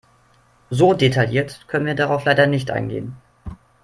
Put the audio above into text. So detailliert können wir darauf leider nicht eingehen.